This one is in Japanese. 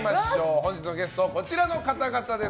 本日のゲスト、こちらの方々です。